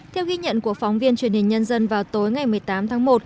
theo ghi nhận của phóng viên truyền hình nhân dân vào tối ngày một mươi tám tháng một